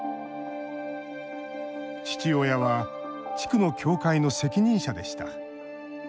父親は地区の教会の責任者でした。